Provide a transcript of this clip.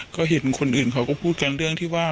ก็เห็นคนอื่นเขาก็พูดกันเรื่องที่ว่า